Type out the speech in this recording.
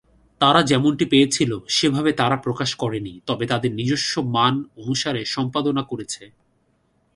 তারা যেমনটি পেয়েছিল সেভাবে তারা প্রকাশ করেনি, তবে তাদের নিজস্ব মান অনুসারে সম্পাদনা করেছে।